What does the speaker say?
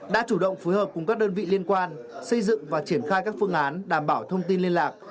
đã chủ động phối hợp cùng các đơn vị liên quan xây dựng và triển khai các phương án đảm bảo thông tin liên lạc